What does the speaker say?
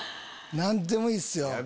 何でもいいっすよ